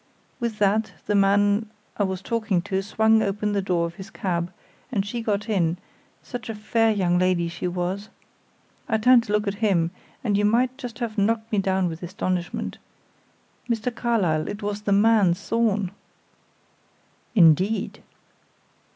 With that the man I was talking to swung open the door of his cab, and she got in such a fair young lady, she was! I turned to look at him, and you might just have knocked me down with astonishment. Mr. Carlyle, it was the man, Thorn." "Indeed!"